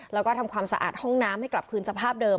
แล้วก็ทำความสะอาดห้องน้ำให้กลับคืนสภาพเดิม